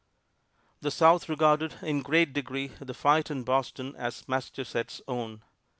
The South regarded, in great degree, the fight in Boston as Massachusetts' own.